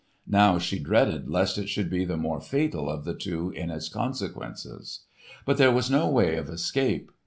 Now she dreaded lest it should be the more fatal of the two in its consequences. But there was no way of escape.